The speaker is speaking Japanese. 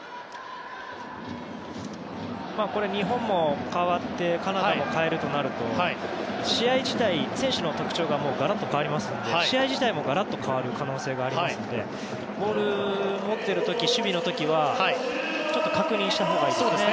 日本も代わってカナダも代えるとなると選手の特徴がガラッと変わりますので試合自体もガラッと変わる可能性がありますのでボールを持っている時守備の時はちょっと確認したほうがいいですね。